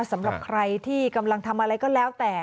สำหรับใครที่กำลังทำอะไรก็แล้วแต่